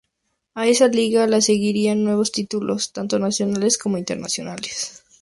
A esa Liga le seguirían nuevos títulos, tanto nacionales como internacionales.